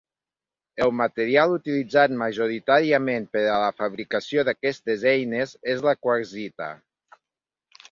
El material utilitzat majoritàriament per a la fabricació d'aquestes eines és la quarsita.